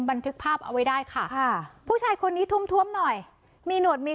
บันทึกภาพเอาไว้ได้ค่ะค่ะผู้ชายคนนี้ทุ่มทวมหน่อยมีหนวดมี